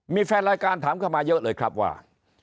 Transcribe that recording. มีแฟนรายการถามเข้ามาเยอะเลยครับว่า